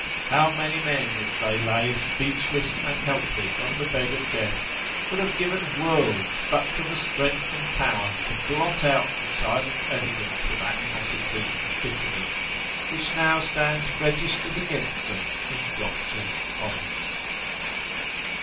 How many men as they lay speechless and helpless on the bed of death, would have given worlds but for the strength and power to blot out the silent evidence of animosity and bitterness, which now stands registered against them in Doctors' Commons